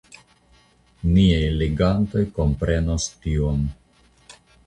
Niaj legantoj komprenos tion.